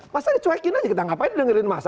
masa dicuekin aja kita ngapain dengerin massa